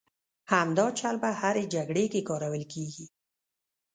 همدا چل په هرې جګړې کې کارول کېږي.